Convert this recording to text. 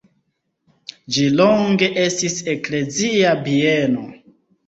Ĝi longe estis eklezia bieno.